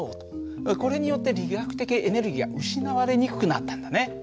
これによって力学的エネルギーが失われにくくなったんだね。